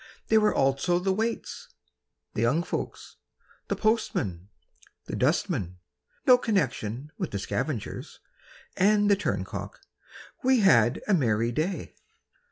There were also the waits, The young folks, The postman, The dustman (No connection with the scavengers), And the turncock. We had a merry day.